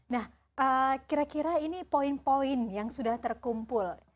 nah kira kira ini poin poin yang sudah terkumpul